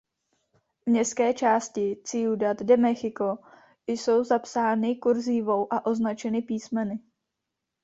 Městské části Ciudad de México jsou zapsány kurzívou a označeny písmeny.